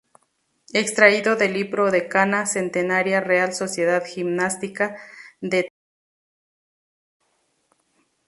Extraído del Libro "Decana Centenaria Real Sociedad Gimnástica de Torrelavega".